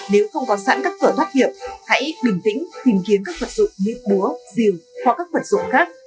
nếu không có sẵn các cửa thoát hiểm hãy bình tĩnh tìm kiếm các vật dụng như búa rìu hoặc các vật dụng khác